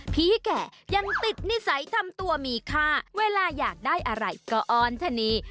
แก่ยังติดนิสัยทำตัวมีค่าเวลาอยากได้อะไรก็ออนทะนี